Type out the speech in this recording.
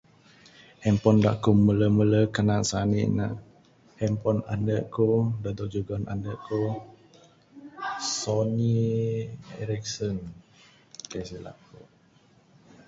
Handphone da mele mele ku kanan sani ne, handphone ande ku da dog jugon ande ku Sony Ericson kaik silap ku.